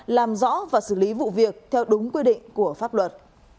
làm rõ và xử lý vụ việc theo đúng quy định của pháp luật